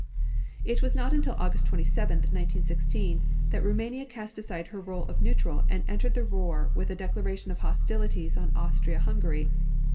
It was not till August 27th, 1916, that Roumania cast aside her role of neutral and entered the war with a declaration of hostilities on Austria Hungary.